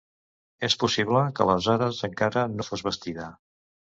És possible que aleshores encara no fos bastida.